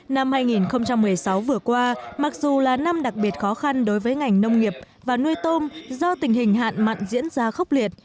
năm hai nghìn một mươi sáu vừa qua mặc dù là năm đặc biệt khó khăn đối với ngành nông nghiệp và nuôi tôm do tình hình hạn mặn diễn ra khốc liệt